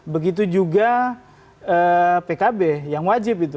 begitu juga pkb yang wajib itu